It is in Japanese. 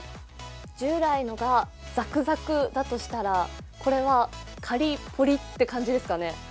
従来のがサクサクだとしたらこれはカリポリって感じですかね。